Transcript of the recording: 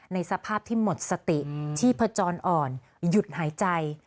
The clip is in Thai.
ในสภาพที่หมดสติที่ผจญอ่อนหยุดหายใจ